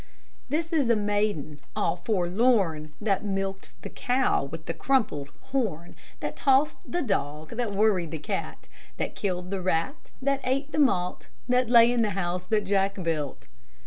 This is the maiden all forlorn, That milked the cow with the crumpled horn, That tossed the dog, That worried the cat, That killed the rat, That ate the malt That lay in the house that Jack built.